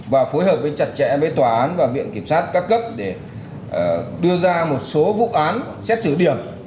và phối hợp với chặt chẽ với tòa án và viện kiểm sát các cấp để đưa ra một số vụ án xét xử điểm